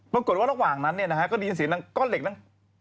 ปรากฏว่าระหว่างนั้นก็ได้ยินเสียงก้อนเหล็กนั้น